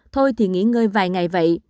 thôi thì nghỉ ngơi vài ngày vậy